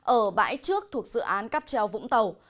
ở bãi trước thuộc dự án cắp treo vũng tàu